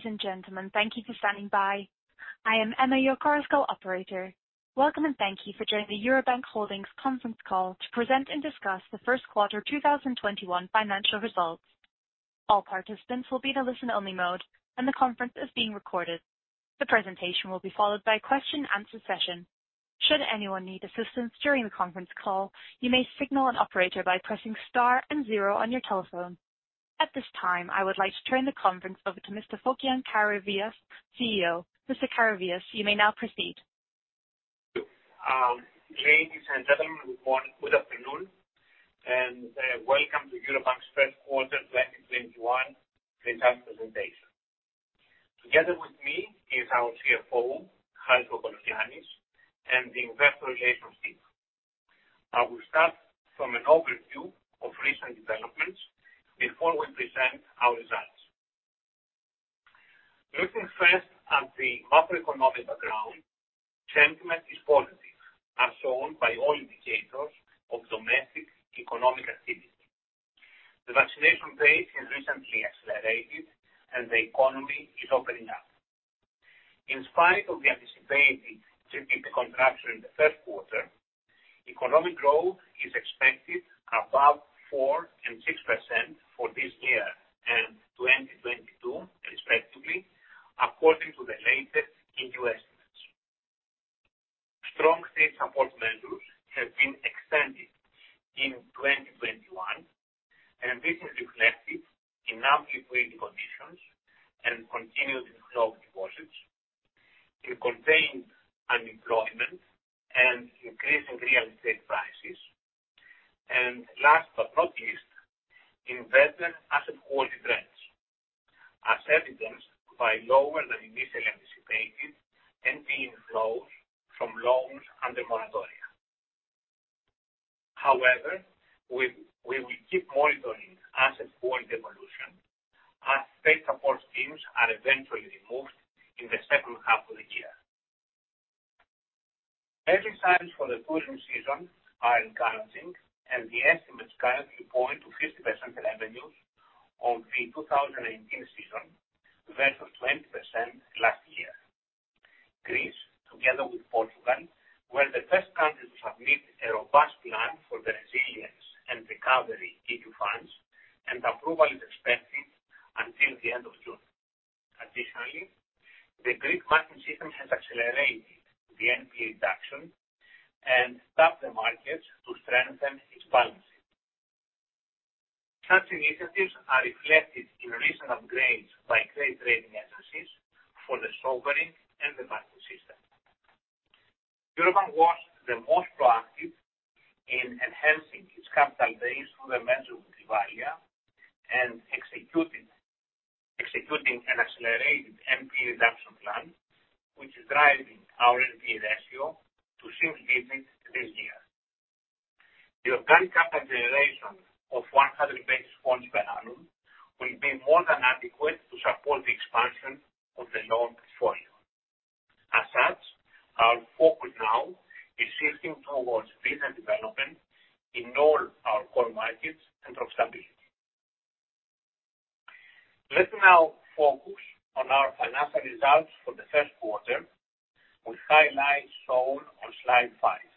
Ladies and gentlemen, thank you for standing by. I am Emma, your Chorus call operator. Welcome, thank you for joining the Eurobank Holdings conference call to present and discuss the first quarter 2021 financial results. All participants will be in a listen-only mode, and the conference is being recorded. The presentation will be followed by a question and answer session. Should anyone need assistance during the conference call, you may signal an operator by pressing star and zero on your telephone. At this time, I would like to turn the conference over to Mr. Fokion Karavias, CEO. Mr. Karavias, you may now proceed. Thank you. Ladies and gentlemen, good afternoon, and welcome to Eurobank's first quarter 2021 results presentation. Together with me is our CFO, Harris Kokologiannis, and the investor relations team. I will start from an overview of recent developments before we present our results. Looking first at the macroeconomic background, sentiment is positive, as shown by all indicators of domestic economic activity. The vaccination rate has recently accelerated. The economy is opening up. In spite of the anticipated significant contraction in the first quarter, economic growth is expected above 4% and 6% for this year and 2022, respectively, according to the latest EU estimates. Strong state support measures have been extended in 2021. This is reflected in our liquidity conditions and continued inflow of deposits to contain unemployment and increase in real estate prices. Last but not least, investment asset quality trends, as evidenced by lower than initially anticipated NPE inflows from loans under moratoria. However, we will keep monitoring asset quality evolution as state support schemes are eventually removed in the second half of the year. Early signs for the tourism season are encouraging, and the estimates currently point to 50% revenues of the 2019 season versus 20% last year. Greece, together with Portugal, were the first countries to submit a robust plan for the resilience and recovery EU funds, and approval is expected until the end of June. Additionally, the Greek banking system has accelerated the NPE reduction and tapped the markets to strengthen its balance sheet. Such initiatives are reflected in recent upgrades by credit rating agencies for the sovereign and the banking system. Eurobank was the most proactive in enhancing its capital base through the measure of and executing an accelerated NPE reduction plan, which is driving our NPE ratio to significantly decrease. The organic capital generation of 100 basis points per annum will be more than adequate to support the expansion of the loan portfolio. As such, our focus now is shifting towards business development in all our core markets and profitability. Let me now focus on our financial results for the first quarter with highlights shown on slide five.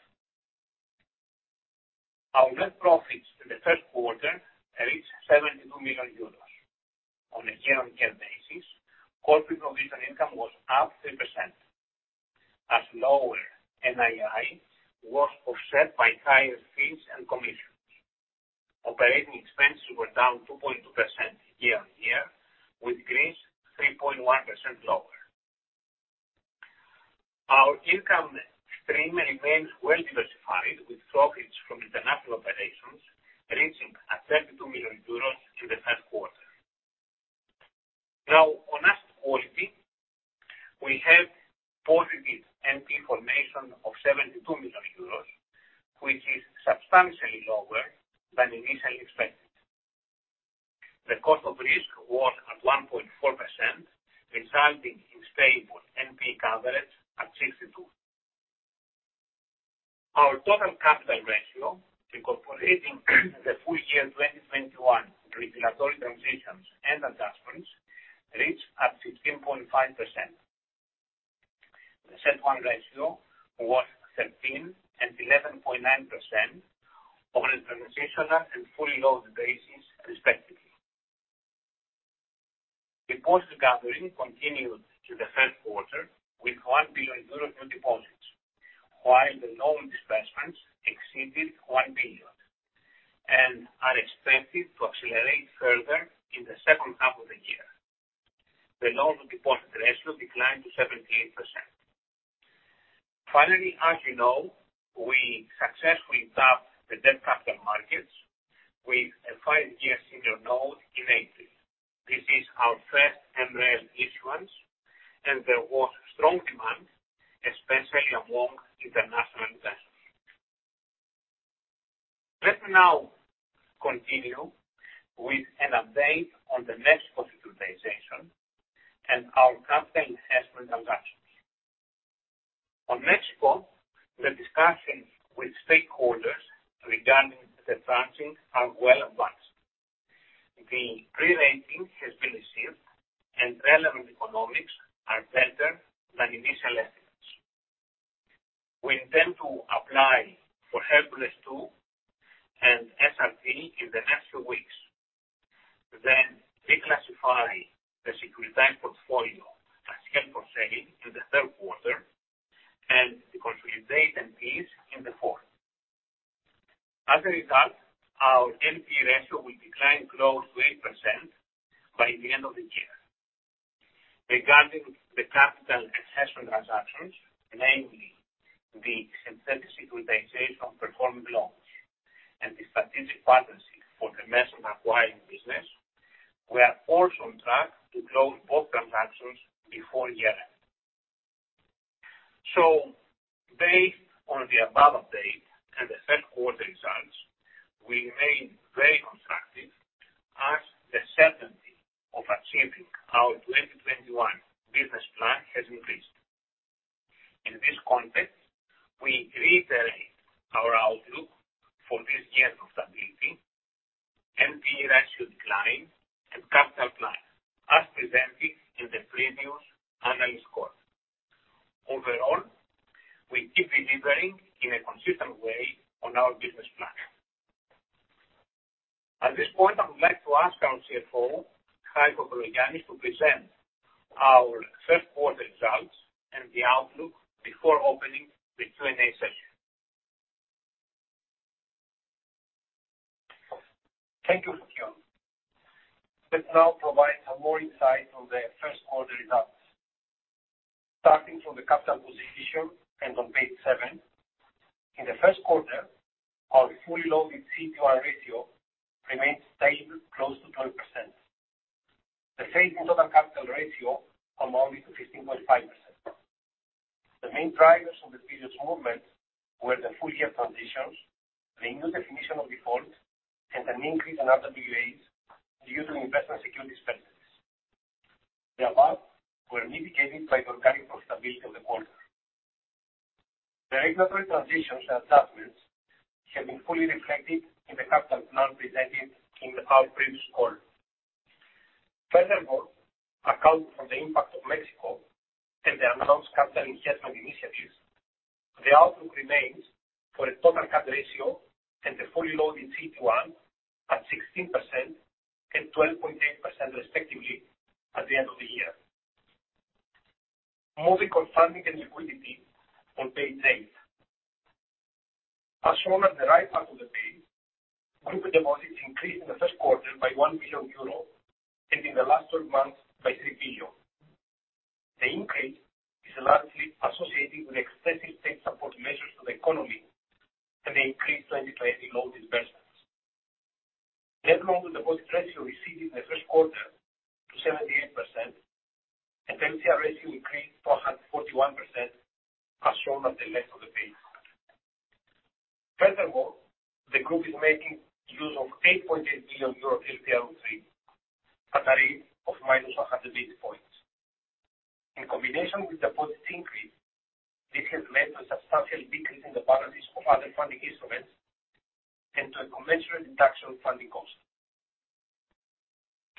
Our net profits in the first quarter reached 72 million euros. On a year-on-year basis, corporate provision income was up 30%, as lower NII was offset by higher fees and commissions. Operating expenses were down 2.2% year-on-year, with Greece 3.1% lower. Our income stream remains well diversified, with profits from international operations reaching 32 million euros in the first quarter. Now, on asset quality, we had positive NPE formation of 72 million euros, which is substantially lower than initially expected. The cost of risk was at 1.4%, resulting in stable NPE coverage at 62%. Our total capital ratio, incorporating the full year 2021 regulatory transitions and adjustments, reached 15.5%. The CET1 ratio was 13% and 11.9% on a transitional and fully loaded basis, respectively. Deposit recovery continued to the first quarter with 1 billion euros in deposits, while the loan disbursements exceeded 1 billion and are expected to accelerate further in the second half of the year. The loan-to-deposit ratio declined to 78%. Finally, as you know, we successfully tapped the debt capital markets with a five-year senior note in April. This is our first MREL issuance. There was strong demand, especially among international investors. Let's now continue with an update on the net positive and our capital enhancement analysis. On Mexico, the discussions with stakeholders regarding the tranching are well advanced. The pre-rating has been received, Relevant economics are better than initial estimates. We intend to apply for Hercules II and SRT in the next few weeks, then declassify the securitized portfolio as held for sale in the third quarter and securitize NPEs in the fourth. As a result, our NPE ratio will decline close to 8% by the end of the year. Regarding the capital [accession] transactions, namely the synthetic securitization of performing loans and the strategic partnership for the leasing and acquiring business, we are also on track to close both transactions before year-end. Based on the above update and the third quarter results, we remain very constructive as the certainty of achieving our 2021 business plan has increased. In this context, we reiterate our outlook for this year of stability, NPE ratio decline, and capital plan as presented in the previous analyst call. We keep delivering in a consistent way on our business plan. At this point, I would like to ask our CFO, Harris Kokologiannis, to present our third quarter results and the outlook before opening the Q&A session. Thank you, Fokion. Let's now provide some more insight on the first quarter results. Starting from the capital position and on page seven, in the first quarter, our fully loaded CET1 ratio remained stable, close to 12%. The phased total capital ratio amounted to 15.5%. The main drivers of this movement were the full-year transitions, the new definition of default, and an increase in RWAs due to investment security expenses. The above were mitigated by the organic profitability of the quarter. The regulatory transitions and adjustments have been fully reflected in the capital plan presented in our previous call. Accounting for the impact of Mexico and the announced capital enhancement initiatives, the outlook remains for a total capital ratio and the fully loaded CET1 at 16% and 12.8%, respectively, at the end of the year. Moving on funding and liquidity on page eight. As shown on the right half of the page, group deposits increased in the first quarter by 1 billion euro, and in the last 12 months by 3 billion. The increase is largely associated with extensive state support measures for the economy and the increased lending loan disbursements. Net loan to deposit ratio receded in the first quarter to 78%, and LCR ratio increased to 141%, as shown on the left of the page. Furthermore, the group is making use of 8.8 billion euros TLTRO III at a rate of minus 100 basis points. In combination with deposit increase, this has led to a substantial decrease in the borrowings of other funding instruments and to a commensurate reduction of funding costs.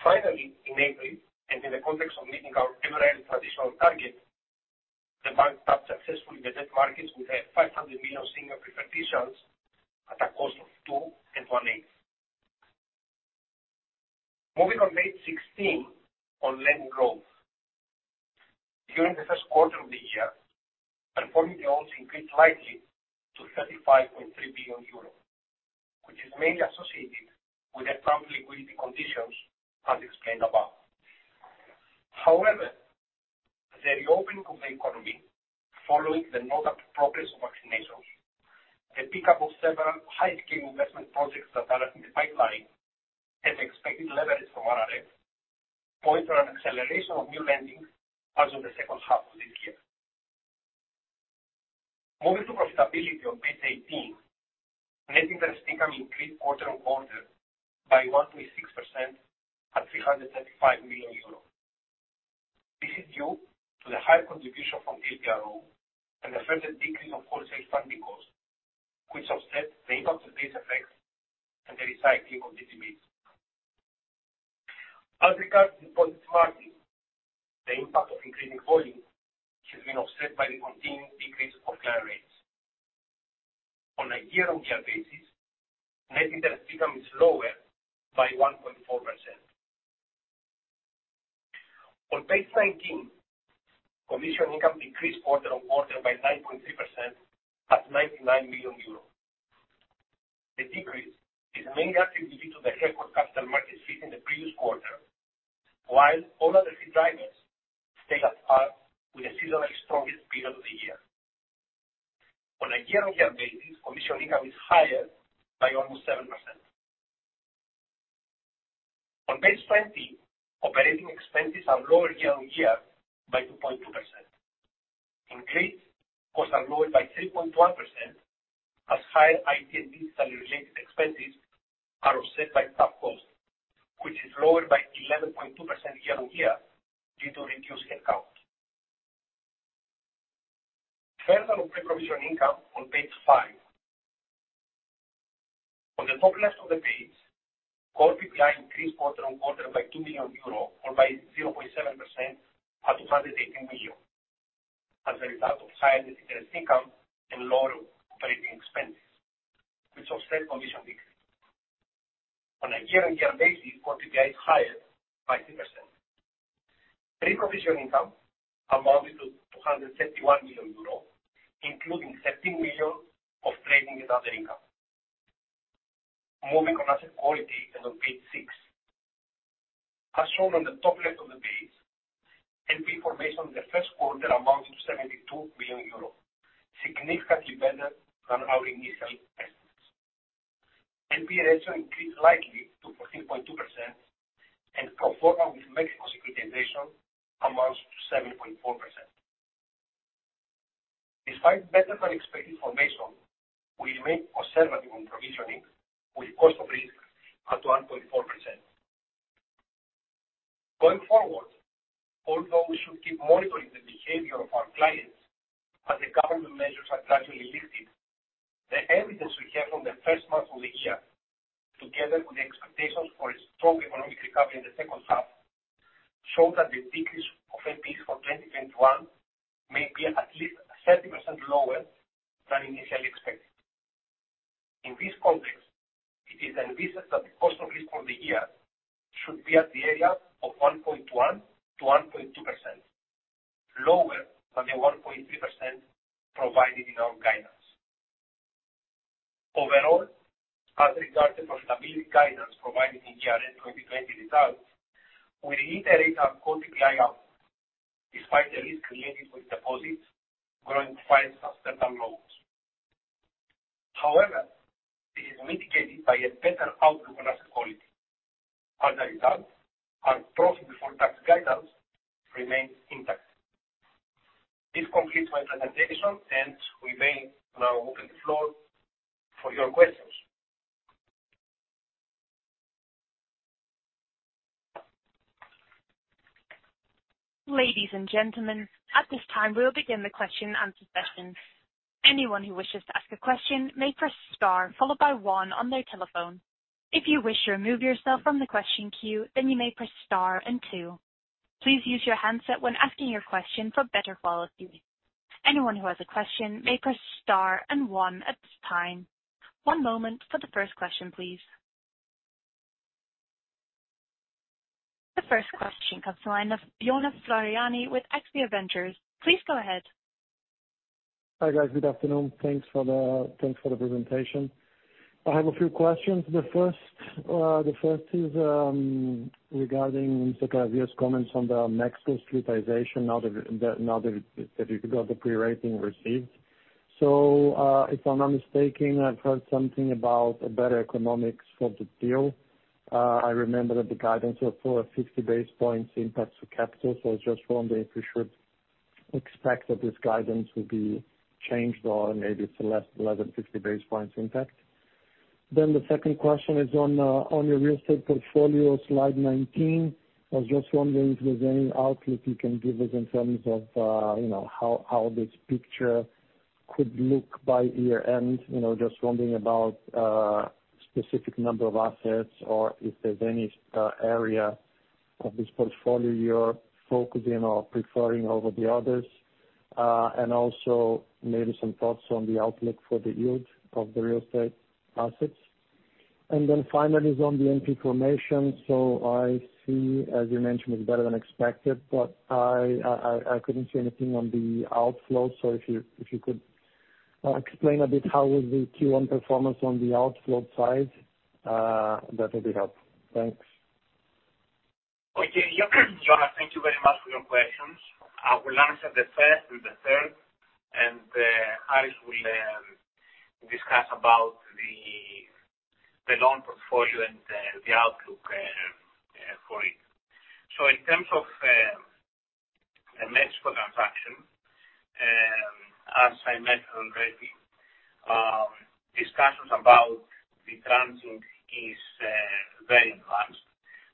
Finally, in April, and in the context of meeting our MREL transitional target, the bank tapped successfully the debt markets with a 500 million senior preferred issuance at a cost of two and one-eighth. Moving on page 16 on lending growth. During the first quarter of the year, performing loans increased slightly to 35.3 billion euros, which is mainly associated with the strong liquidity conditions as explained above. However, the reopening of the economy following the notable progress of vaccinations, the pickup of several high-ticket investment projects that are in the pipeline, and the expected leverage from RRF, point to an acceleration of new lending as of the second half of this year. Moving to profitability on page 18. Net interest income increased quarter-on-quarter by 1.6% at 375 million euros. This is due to the higher contribution from [HPRO] and a further decrease of wholesale funding costs, which offset the impact of base effects and the recycling of [DTCs]. As regards deposit margins, the impact of increasing volumes has been offset by the continued decrease of client rates. On a year-on-year basis, net interest income is lower by 1.4%. On page 19, commission income decreased quarter-on-quarter by 9.3% at 99 million euros. The decrease is mainly attributed to the record capital markets fee in the previous quarter, while all other fee drivers stayed at par with the still very strongest period of the year. On a year-on-year basis, commission income is higher by almost 7%. On page 20, operating expenses are lower year-on-year by 2.2%. In Greece, costs are lowered by 3.1% as higher IT and digital-related expenses is lower by 11.2% year-on-year due to reduced headcount. Turn to pre-provision income on page five. On the top left of the page, core PPI increased quarter-on-quarter by 2 million euro or by 0.7% up to 28 million as a result of higher net interest income and lower operating expenses, which offset commission decrease. On a year-on-year basis, core PPI is higher by 3%. Pre-provision income amounted to 271 million euros, including 13 million of trading and other income. Moving on asset quality and on page six. As shown on the top left of the page, NPE formation in the first quarter amounted to 72 million euros, significantly better than our initial estimates. NPE ratio increased slightly to 14.2% and cover with Mexico securitization amounts to 7.4%. Despite better than expected formation, we remain conservative on provisioning with cost of risk at 1.4%. Going forward, although we should keep monitoring the behavior of our clients as the government measures are gradually lifted, the evidence we have from the first month of the year, together with the expectations for a strong economic recovery in the second half, show that the decrease of NPEs for 2021 may be at least 30% lower than initially expected. In this context, it is envisaged that the cost of risk for the year should be at the area of 1.1%-1.2%, lower than the 1.3% provided in our guidance. Overall, as regards the profitability guidance provided in year-end 2020 results, we reiterate our core PPI guidance, despite the risk related with deposits growing faster than certain loans. However, it is mitigated by a better outlook on asset quality. As a result, our profit before tax guidance remains intact. This completes my presentation, and we may now open the floor for your questions. Ladies and gentlemen, at this time, we will begin the question and answer session. Anyone who wishes to ask a question may press star followed by one on their telephone. If you wish to remove yourself from the question queue, you may press star and two. Please use your handset when asking your question for better quality. Anyone who has a question may press star and one at this time. One moment for the first question, please. The first question comes from the line of Jonas Floriani with AXIA Ventures. Please go ahead. Hi, guys. Good afternoon. Thanks for the presentation. I have a few questions. The first is regarding Fokion's comments on the Mexico securitization, now that you've got the pre-rating received. If I'm not mistaken, I've heard something about a better economics for the deal. I remember that the guidance was for a 50 basis points impact to capital. I was just wondering if we should expect that this guidance will be changed, or maybe it's less than 50 basis points impact. The second question is on your real estate portfolio, slide 19. I was just wondering if there's any outlook you can give us in terms of how this picture could look by year-end. Just wondering about specific number of assets or if there's any area of this portfolio you're focusing or preferring over the others. Also maybe some thoughts on the outlook for the yield of the real estate assets. Finally is on the NPE formation. I see, as you mentioned, it was better than expected, but I couldn't see anything on the outflow. If you could explain a bit how was the Q1 performance on the outflow side, that would be helpful. Thanks. Jonas, thank you very much for your questions. I will answer the first with the third, Harris will discuss about the loan portfolio and the outlook for it. In terms of the Mexico transaction, as I mentioned already, discussions about the transaction is very advanced.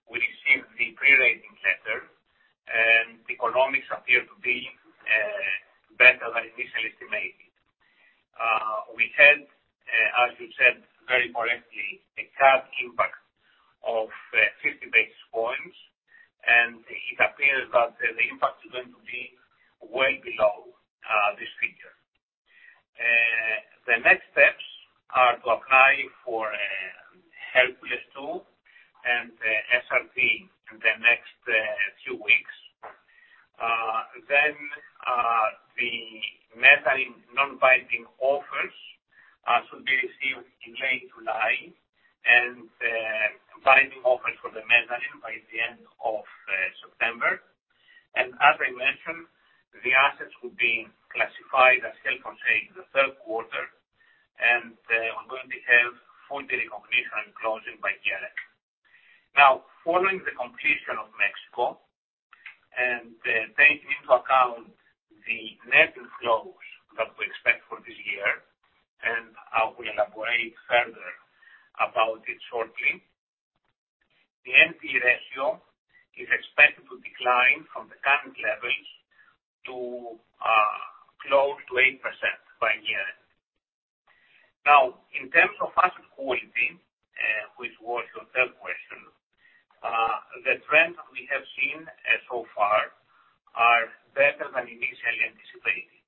We received the pre-rating letter, the economics appear to be better than initially estimated. We had, as you said very correctly, a cap impact of 50 basis points, it appears that the impact is going to be well below this figure. The next steps are to apply for Hercules II and the SRT in the next few weeks. The mezzanine non-binding offers should be received in late July, the binding offers for the mezzanine by the end of September. As I mentioned, the assets will be classified as held for sale in the third quarter, and we're going to have full recognition and closing by year end. Following the completion of Mexico, and taking into account the net which we are about to expect for this year. Further about it shortly. The NPE ratio is expected to decline from the current levels to close to 8% by year end. In terms of asset quality, which was your third question, the trends we have seen so far are better than initially anticipated,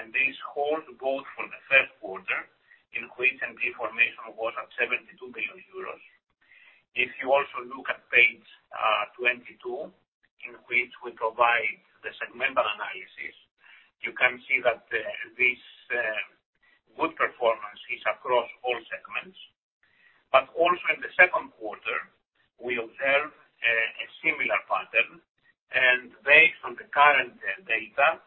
and this holds both for the first quarter, in which NPE formation was at 72 million euros. If you also look at page 22, in which we provide the segmental analysis, you can see that this good performance is across all segments. Also in the second quarter, we observe a similar pattern, and based on the current data,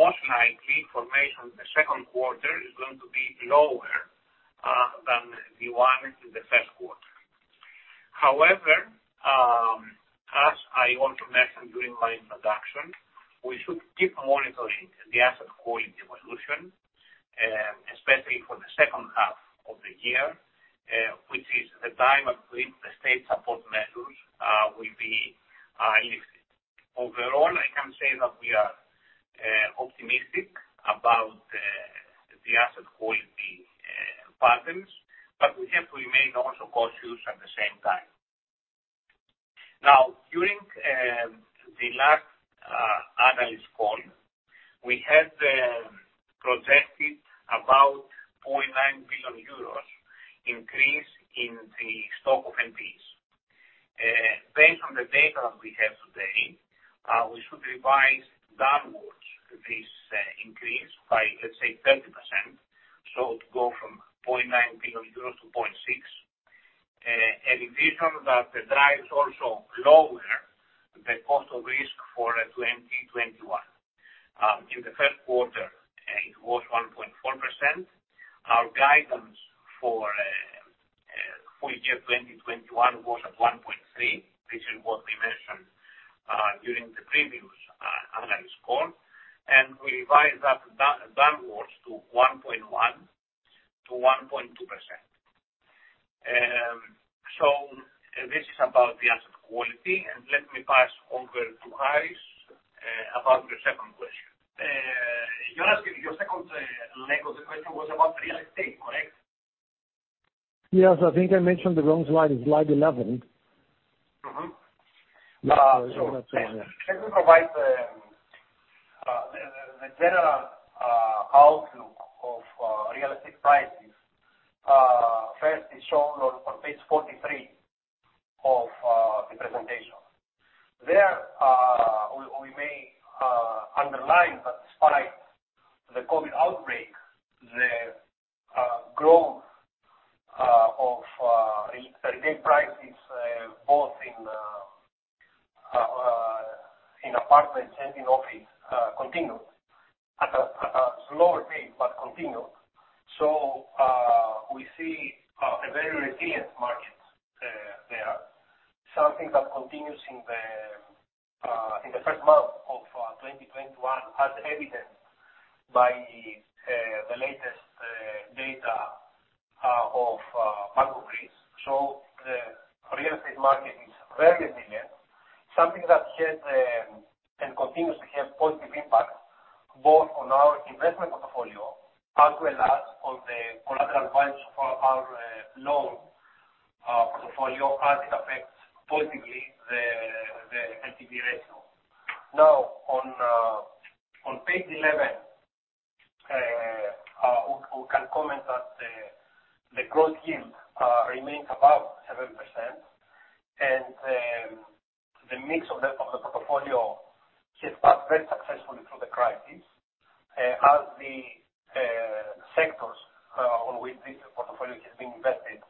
most likely formation in the second quarter is going to be lower than the one in the first quarter. However, as I also mentioned during my introduction, we should keep monitoring the asset quality evolution, especially for the second half of the year, which is the time at which the state support measures will be lifted. Overall, I can say that we are optimistic about the asset quality patterns, but we just remain also cautious at the same time. Now, during the last analyst call, we had projected about EUR 0.9 billion increase in the stock of NPEs. Based on the data we have today, we should revise downwards this increase by, let's say, 30%, so to go from EUR 0.9 billion to EUR 0.6 billion, a revision that drives also lower the cost of risk for 2021. In the first quarter, it was 1.4%. Our guidance for full year 2021 was at 1.3%, which is what we mentioned during the previous analyst call. We revised that downwards to 1.1%-1.2%. This is about the asset quality, and let me pass over to Harris about your second question. Your second leg of the question was about real estate, correct? Yes. I think I mentioned the wrong slide. It's slide 11. Let me provide the general outlook of real estate prices, first is shown on page 43 of the presentation. There, we may underline that despite the COVID outbreak, the growth of real estate prices, both in apartments and in office, continued at a slower pace, but continued. We see a very resilient market there, something that continues in the first half of 2021, as evidenced by the latest data of MacroPolis. The real estate market is very resilient, something that has and continues to have positive impact both on our investment portfolio as well as on the collateral values of our loan portfolio, as it affects positively the NPE ratio. Now, on page 11, we can comment that the gross yield remains above 7%, and the mix of the portfolio has passed very successfully through the crisis, as the sectors on which this portfolio has been invested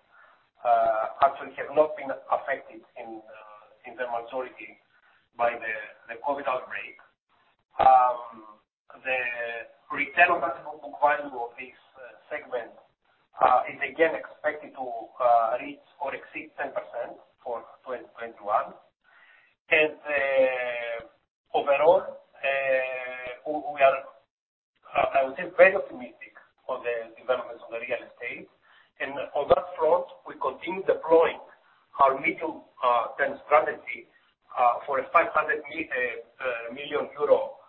actually have not been affected in the majority by the COVID outbreak. The return on book value of this segment is again expected to reach or exceed 10% for 2021. Overall, we are, I would say, very optimistic on the developments of the real estate. On that front, we continue deploying our medium-term strategy for a 500 million euro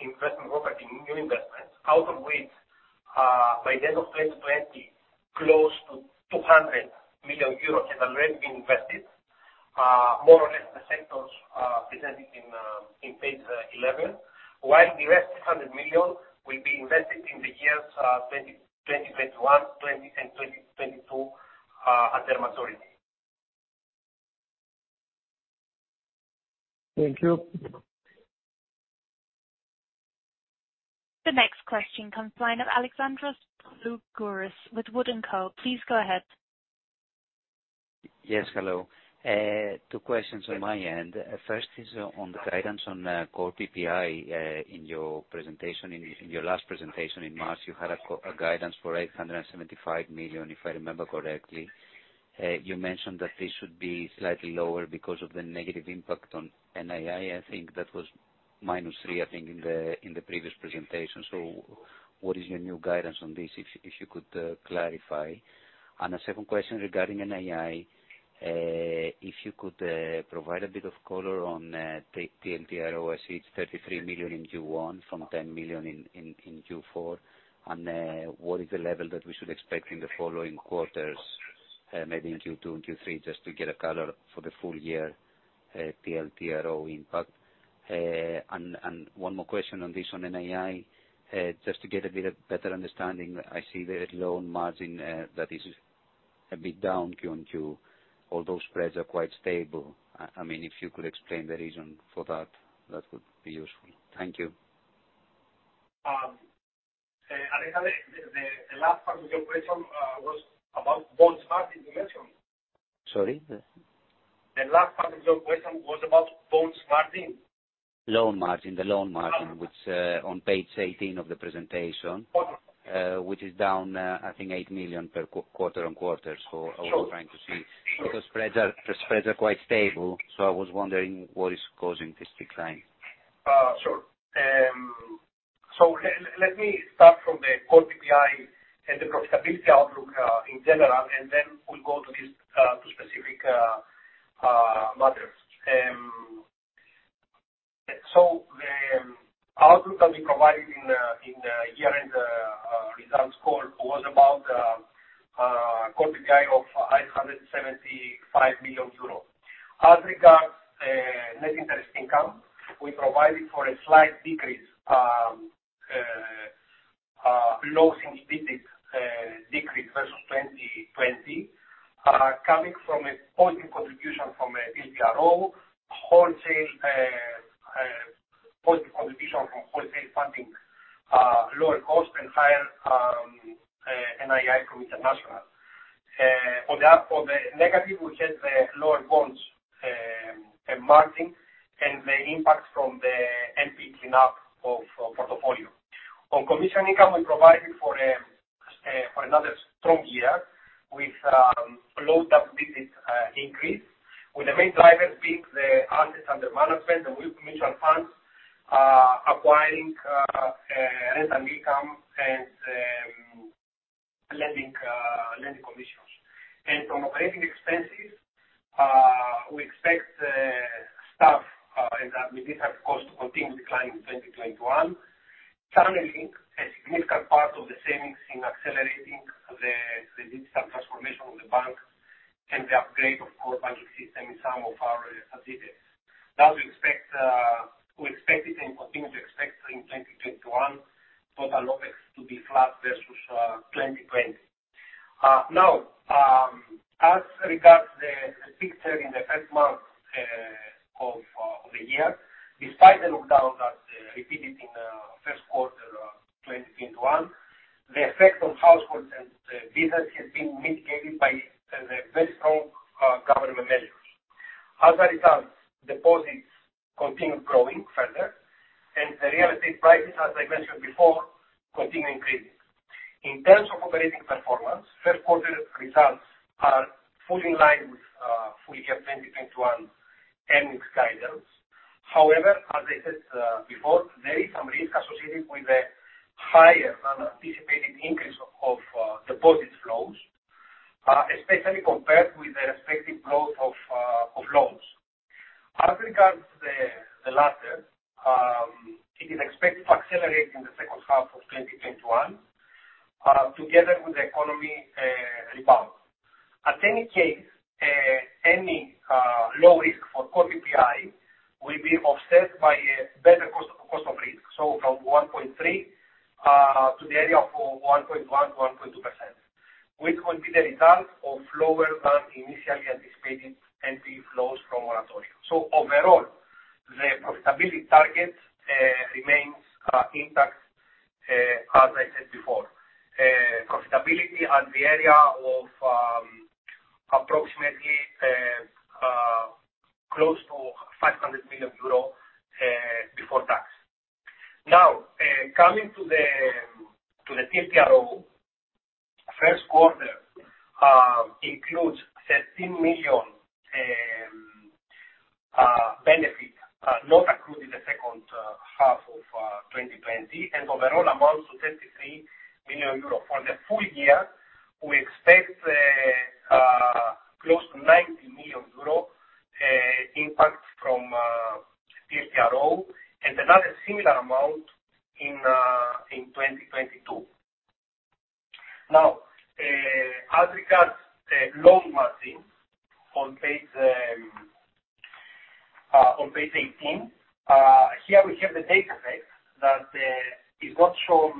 investment property, main investment, out of which by the end of 2020, close to 200 million euros has already been invested, more or less the sectors presented in page 11, while the rest 100 million will be invested in the years 2021 and 2022 at their maturity. Thank you. The next question comes from Alexandros Boulougouris with WOOD & Co. Please go ahead. Yes, hello. Two questions on my end. First is on the guidance on core PPI. In your last presentation in March, you had a guidance for 875 million, if I remember correctly. You mentioned that this should be slightly lower because of the negative impact on NII. I think that was -3 million in the previous presentation. What is your new guidance on this, if you could clarify? A second question regarding NII, if you could provide a bit of color on TLTRO, I see it's 33 million in Q1 from 10 million in Q4. What is the level that we should expect in the following quarters, maybe in Q2 and Q3, just to get a color for the full year TLTRO impact? One more question on this, on NII, just to get a bit better understanding. I see the loan margin that is a bit down QoQ, although spreads are quite stable. If you could explain the reason for that would be useful. Thank you. Alexandros, the last part of your question was about bonds margin? Sorry? The last part of your question was about bonds margin? Loan margin, which on page 18 of the presentation, which is down, I think, 8 million per quarter-on-quarter. I was trying to see, because spreads are quite stable. I was wondering what is causing this decline. Sure. Let me start from the core PPI and the profitability outlook in general. We'll go to specific matters. The outlook that we provided in the year-end results call was about core PPI of 575 million euros. As regards net interest income, we provided for a slight decrease, low single digits decrease versus 2020, coming from a positive contribution from LTRO, wholesale positive contribution from wholesale funding, lower cost, and higher NII from international. On the negative, we have the lower bonds margin and the impact from the NPE cleanup of portfolio. On commission income, we provided for another strong year with low double digits increase, with the main driver being the asset and development of mutual funds, acquiring rental income and lending commissions. From operating expenses, we expect staff and the digital cost to continue declining in 2021, channeling a significant part of the savings in accelerating the digital transformation of the bank and the upgrade of core value system in some of our subsidiaries. We expect it and continue to expect in 2021 total OpEx to be flat versus 2020. As regards the picture in the first month of the year, despite the lockdown that repeated in first quarter 2021, the effect on households and business has been mitigated by the very strong government measures. As a result, deposits continued growing further, and the real estate prices, as I mentioned before, continue increasing. In terms of operating performance, first quarter results are fully in line with full year 2021 earnings guidance. As I said before today, some risk associated with a higher than anticipated increase of deposit growth, especially compared with the respective growth of loans. As regards the latter, it is expected to accelerate in the second half of 2021, together with the economy rebound. At any case, any low risk for core PPI will be offset by a better cost of risk. From 1.3% to the area of 1.1%-1.2%, which will be the result of lower than initially anticipated NP flows from our portfolio. Overall, the profitability target remains intact, as I said before. Profitability at the area of approximately close to 500 million euro before tax. Coming to the TLTRO, first quarter includes EUR 13 million benefit not accrued in the second half of 2020, and overall amounts to 33 million euro. For the full year, we expect close to 90 million euro impact from TLTRO and another similar amount in 2022. As regards loan margin on page 18, here we have the data set that is not shown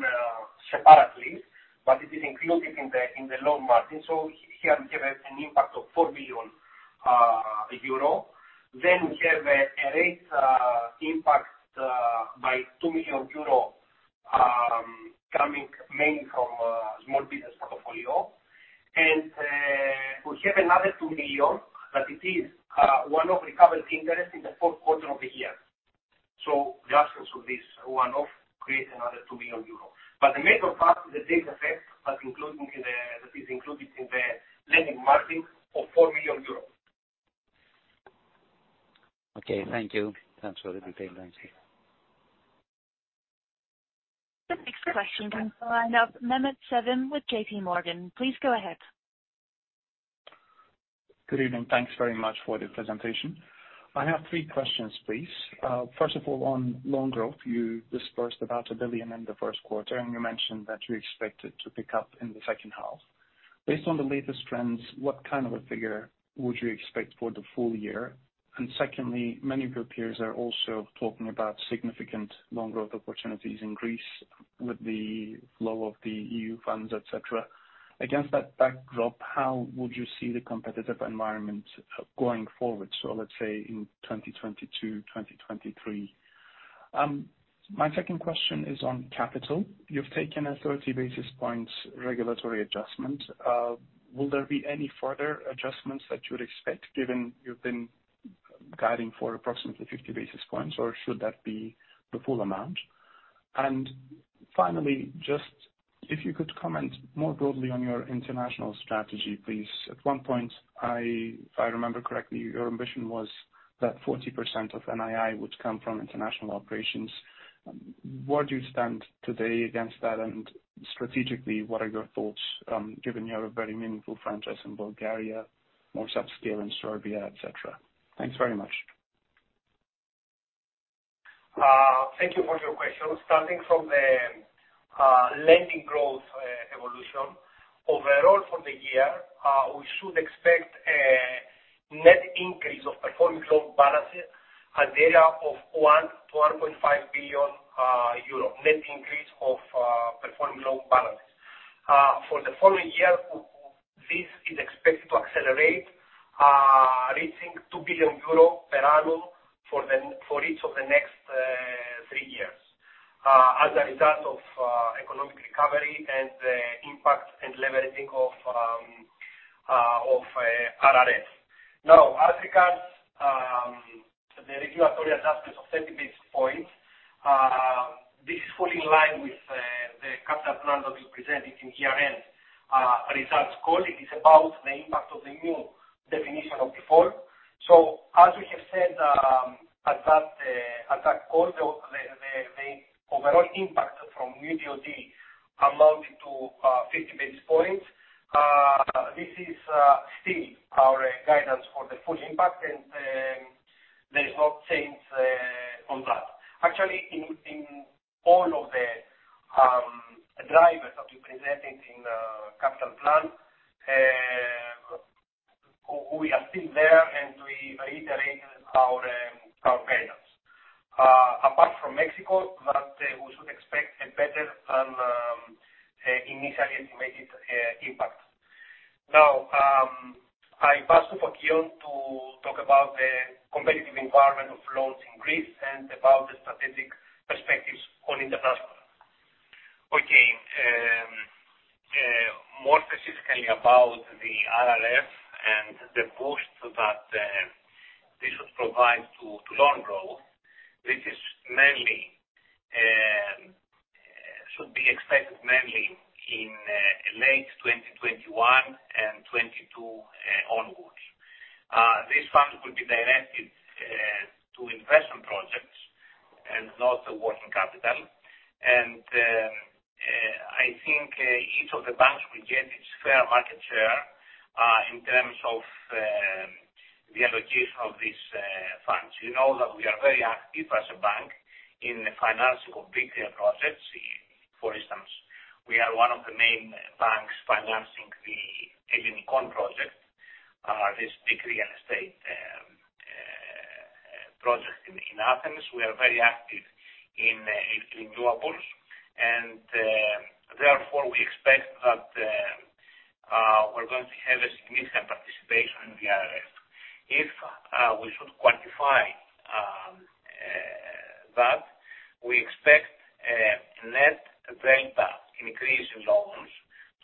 separately, but it is included in the loan margin. Here we have an impact of 4 million euro. We have a rate impact by 2 million euro coming mainly from small business portfolio. We have another 2 million that it is one-off recovery interest in the fourth quarter of the year. To this one-off create another 2 million euros. The major part of the data set that is included in the lending margin of 4 million euros. Okay, thank you. Thanks for the detail. Thank you. The next question comes from the line of Mehmet Sevim with JPMorgan. Please go ahead. Good evening. Thanks very much for the presentation. I have three questions, please. First of all, on loan growth, you disbursed about 1 billion in the first quarter, and you mentioned that you expected to pick up in the second half. Based on the latest trends, what kind of a figure would you expect for the full year? Secondly, many of your peers are also talking about significant loan growth opportunities in Greece with the flow of the EU funds, et cetera. Against that backdrop, how would you see the competitive environment going forward, so let's say in 2022, 2023? My second question is on capital. You've taken a 30 basis points regulatory adjustment. Will there be any further adjustments that you would expect given you've been guiding for approximately 50 basis points, or should that be the full amount? Finally, just if you could comment more broadly on your international strategy, please. At one point, if I remember correctly, your ambition was that 40% of NII would come from international operations. Where do you stand today against that? Strategically, what are your thoughts, given you have a very meaningful franchise in Bulgaria, more subsidiary in Serbia, et cetera? Thanks very much. Thank you for your question. Starting from the lending growth evolution. Overall for the year, we should expect a net increase of performing loan balances, a data of EUR 1 billion-EUR 1.5 billion net increase of performing loan balances. For the following year, this is expected to accelerate, reaching 2 billion euros per annum, for each of the next three years, as a result of economic recovery and the impact and leveraging of RRF. As regards the regulatory adjustments of 30 basis points, this is fully in line with the capital plan that we presented in year-end results call. It is about the impact of the new definition of default. As we have said, at that call, the overall impact from new DOD amounting to 50 basis points. This is still our guidance for the full impact, and there is no change on that. Actually, in all of the drivers that we presented in the capital plan, we are still there, and we reiterate our guidance. Apart from Mexico, that we should expect a better than initially estimated impact. Now, I pass to Fokion to talk about the competitive environment of loans in Greece and about the strategic perspectives on international. Okay. More specifically about the RRF and the boost that this would provide to loan growth, should be expected mainly in late 2021 and 2022 onwards. These funds will be directed to investment projects and not the working capital. I think each of the banks will get its fair market share, in terms of the allocation of these funds. You know that we are very active as a bank in the finance of big projects. For instance, we are one of the main banks financing the Hellinikon project, this big real estate project in Athens. We are very active in green renewables, and therefore, we expect that we're going to have a significant participation in the RRF. If we should quantify that, we expect a net delta increase in loans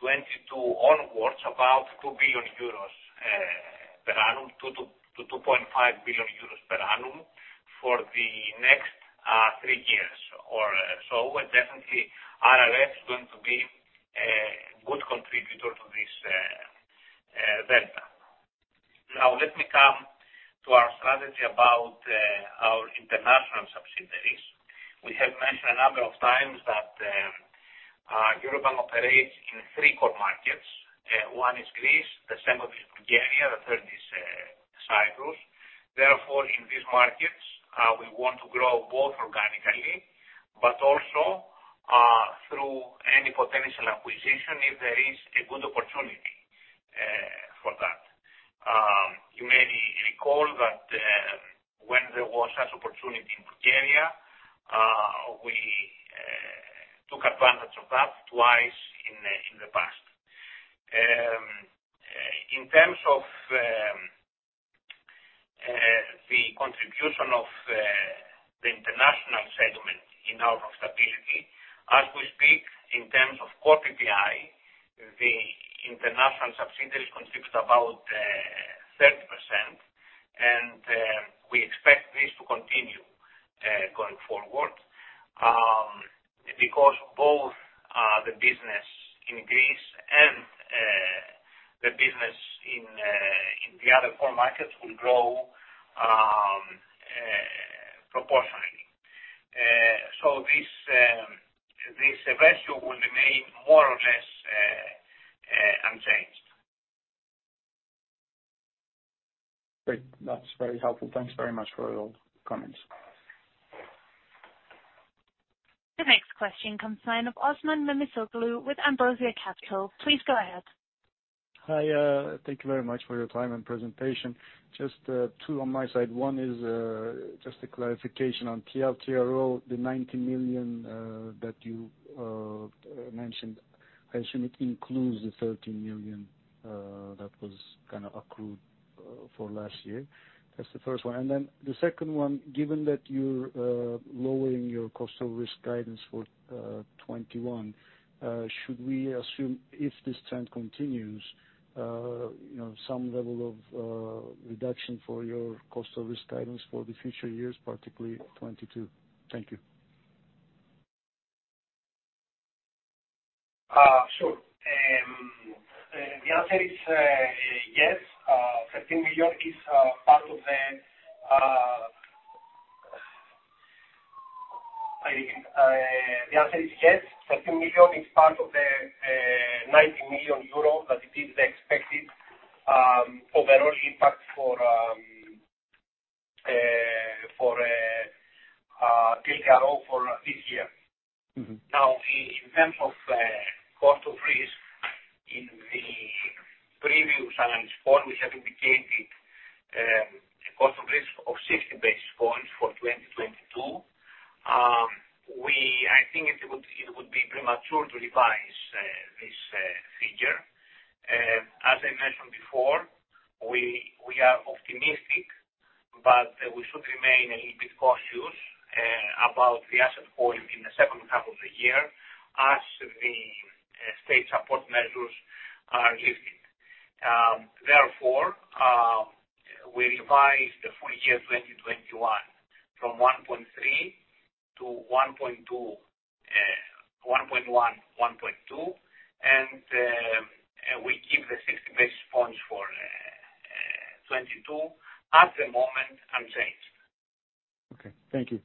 2022 onwards, about 2 billion euros per annum-EUR 2.5 billion per annum for the next three years or so. Definitely RRF is going to be a good contributor to this delta. Let me come to our strategy about our international subsidiaries. We have mentioned a number of times that Eurobank operates in three core markets. One is Greece, the second is Bulgaria, the third is Cyprus. In these markets, we want to grow both organically, but also through any potential acquisition if there is a good opportunity for that. You may recall that when there was such opportunity in Bulgaria, we took advantage of that twice in the past. In terms of the contribution of the international segment in our profitability, as we speak, in terms of core PPI, the international subsidiaries contributes about 30%, and we expect this to continue going forward because both the business in Greece and the business in the other core markets will grow proportionally. This ratio will remain more or less unchanged. Great. That's very helpful. Thanks very much for your comments. The next question comes in from Osman Memişoğlu with Ambrosia Capital. Please go ahead. Hi, thank you very much for your time and presentation. Just two on my side. One is just a clarification on TLTRO, the 90 million that you mentioned. I assume it includes the 13 million that was accrued for last year. That's the first one. The second one, given that you're lowering your cost of risk guidance for 2021, should we assume if this trend continues, some level of reduction for your cost of risk guidance for the future years, particularly 2022? Thank you. Sure. The answer is yes, 13 million is part of the EUR 90 million that is the expected overall impact for TLTRO for this year. In terms of cost of risk in the previous earnings call, we had indicated cost of risk of 60 basis points for 2022. I think it would be premature to revise this figure. As I mentioned before, we are optimistic, but we should remain a bit cautious about the asset quality in the second half of the year as the state support measures are lifted. We revise the full year 2021 from 1.3% to 1.1%-1.2%, and we keep the 60 basis points for 2022 at the moment unchanged. Okay, thank you.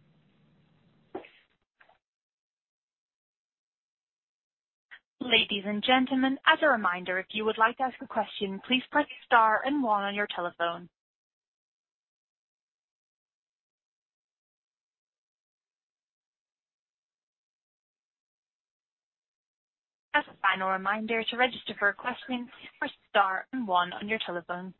Ladies and gentlemen, as a reminder, if you would like to ask a question, please press star and one on your telephone. As a final reminder, to register for a question, please press star and one on your telephone.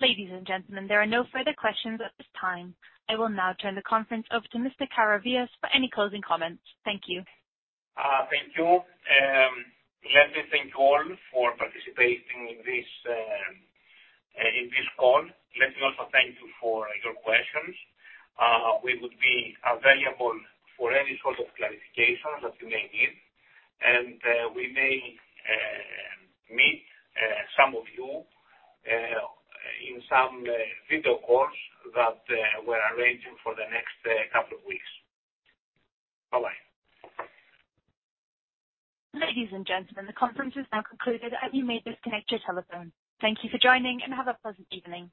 Ladies and gentlemen, there are no further questions at this time. I will now turn the conference over to Mr. Karavias for any closing comments. Thank you. Thank you. Let me thank all for participating in this call. Let me also thank you for your questions. We would be available for any sort of clarifications that you may give, and we may meet some of you in some video calls that we're arranging for the next couple of weeks. Bye-bye. Ladies and gentlemen, the conference is now concluded. You may disconnect your telephone. Thank you for joining, and have a pleasant evening.